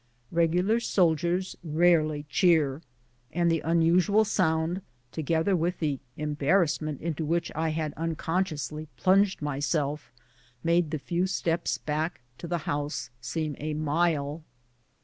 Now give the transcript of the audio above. Eegular soldiers rarely cheer, and the unusual sound, together with the embarrassment into which I had unconsciously plunged myself, made the few steps back to the house seem a mile.